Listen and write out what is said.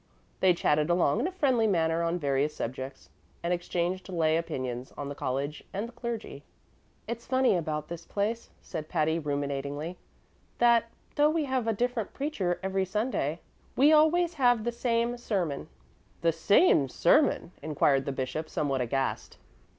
They chatted along in a friendly manner on various subjects, and exchanged lay opinions on the college and the clergy. "It's a funny thing about this place," said Patty, ruminatingly, "that, though we have a different preacher every Sunday, we always have the same sermon." "The same sermon?" inquired the bishop, somewhat aghast.